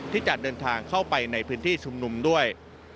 ที่จะเดินทางเข้าไปในพื้นที่ชุมนุมด้วย